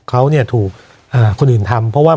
เขาเนี่ยถูกคนอื่นทำ